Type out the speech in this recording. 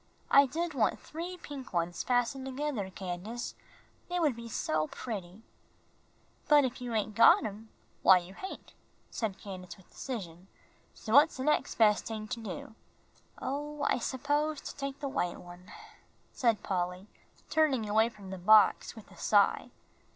"I did want three pink ones fastened together, Candace, they would be so pretty." "But if you hain' got 'em, why you hain'," said Candace, with decision; "so what's de nex' bes' ting to do?" "Oh, I suppose to take the white one," said Polly, turning away from the box with a sigh.